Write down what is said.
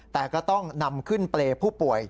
แต่ก็ต้องนำขึ้นเปรย์ผู้ป่วย